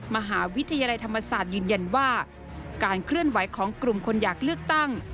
มหาวิทยาลัยธรรมศาสตร์ยืนยันว่าการเคลื่อนไหวของกลุ่มคนอยากเลือกตั้ง